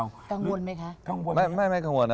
กังวลไหมคะกังวลไม่กังวลนะ